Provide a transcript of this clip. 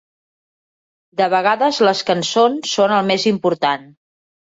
De vegades les cançons són el més important.